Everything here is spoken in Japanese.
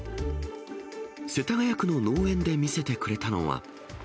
世田谷区の農園で見せてくれたのは。